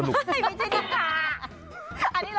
มันไม่ใช่นินทา